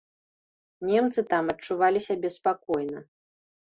Немцы там адчувалі сябе спакойна.